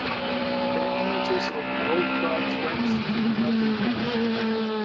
The images of the old gods went to the melting-pot.